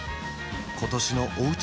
今年のおうち